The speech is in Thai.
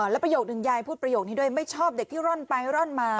แล้วประโยคนึงยายพูดประโยคนี้ด้วยไม่ชอบเด็กที่ร่อนไปร่อนมา